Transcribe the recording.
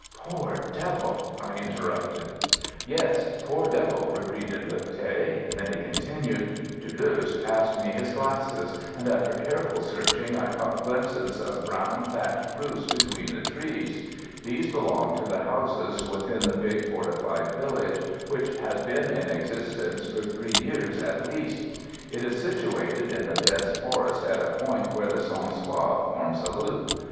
"Poor devil!" I interrupted. "Yes poor devil," repeated Lipthay; then he continued: "Deleuze passed me his glasses, and after careful searching I caught glimpses of brown thatched roofs between the trees. These belonged to the houses within the big fortified village which has been in existence for three years at least. It is situated in the dense forest at a point where the Song Soï forms a loop.